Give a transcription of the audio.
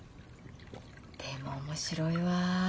でも面白いわ。